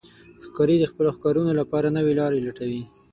ښکاري د خپلو ښکارونو لپاره نوې لارې لټوي.